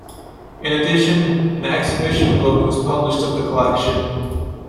In addition, an exhibition book was published of the collection.